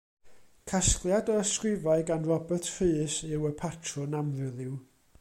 Casgliad o ysgrifau gan Robert Rhys yw Y Patrwm Amryliw.